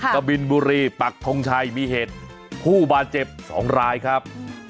กะบินบุรีปักทงชัยมีเหตุผู้บาดเจ็บ๒รายครับ